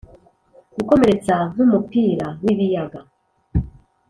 gukomeretsa nk'umupira w'ibiyaga